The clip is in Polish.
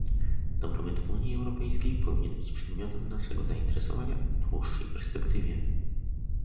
Dobrobyt Unii Europejskiej powinien być przedmiotem naszego zainteresowania w dłuższej perspektywie